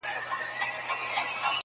o په سترگو گوري، په زوى لوړي!